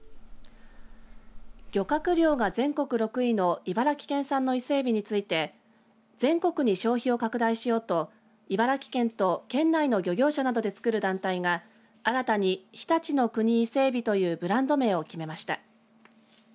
漁獲量が全国６位の茨城県産の伊勢えびについて全国に消費を拡大しようと茨城県と県内の漁業者などでつくる団体が新たに常陸乃国いせ海老というブランド名を決めました。